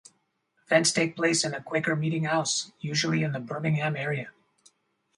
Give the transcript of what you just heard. Events take place in a Quaker Meeting House, usually in the Birmingham area.